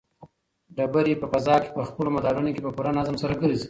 ډبرې په فضا کې په خپلو مدارونو کې په پوره نظم سره ګرځي.